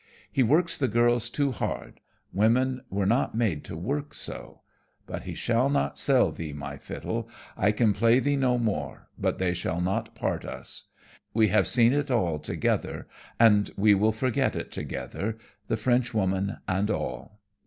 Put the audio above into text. He works the girls too hard, women were not made to work so. But he shall not sell thee, my fiddle, I can play thee no more, but they shall not part us. We have seen it all together, and we will forget it together, the French woman and all."